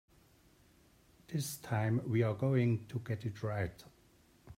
This time we're going to get it right.